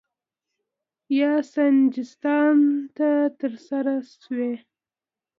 یا سجستان ته ترسره شوی